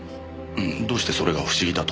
どうしてそれが不思議だと？